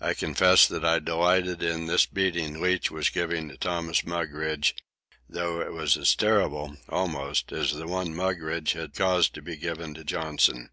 I confess that I delighted in this beating Leach was giving to Thomas Mugridge, though it was as terrible, almost, as the one Mugridge had caused to be given to Johnson.